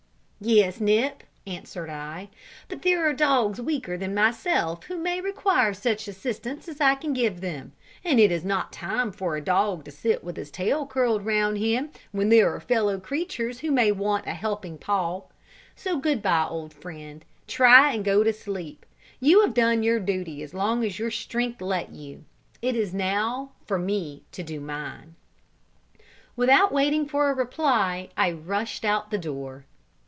"Yes, Nip," answered I; "but there are dogs weaker than myself who may require such assistance as I can give them, and it is not a time for a dog to sit with his tail curled round him, when there are fellow creatures who may want a helping paw. So good bye, old friend; try and go to sleep; you have done your duty as long as your strength let you, it is now for me to do mine." Without waiting for a reply, I rushed out at the door.